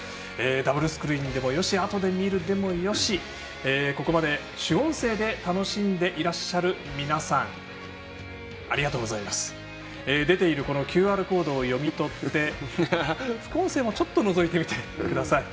ダブルスクリーンで見てもよしあとで見るでもよしここまで主音声で楽しんでいらっしゃる皆さん出ているＱＲコードを読み取って副音声もちょっとのぞいてみてください。